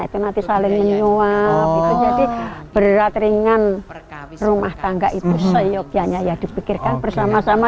itu nanti saling menyuap itu jadi berat ringan rumah tangga itu seyokianya ya dipikirkan bersama sama